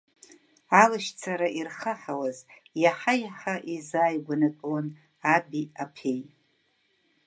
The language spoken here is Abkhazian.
Алашьцара ирхаҳауаз иаҳа-иаҳа еизааигәанатәуан аби аԥеи.